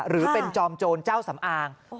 หรือเป็นจอมโจรเจ้าสำอาง